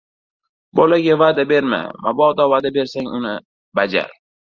• Bolaga va’da berma, mabodo va’da bersang, albatta uni bajar.